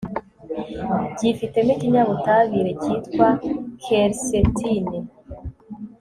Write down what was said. byifitemo ikinyabutabire cyitwa 'quercétine'